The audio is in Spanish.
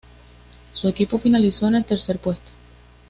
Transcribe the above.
Su equipo finalizó en el tercer puesto.